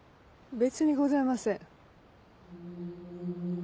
別にございません。